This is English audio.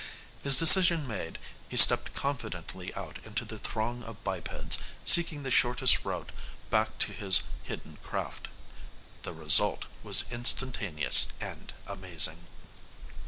His decision made, he stepped confidently out into the throng of bipeds, seeking the shortest route back to his hidden craft. The result was instantaneous and amazing.